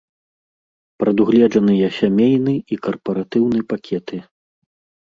Прадугледжаныя сямейны і карпаратыўны пакеты.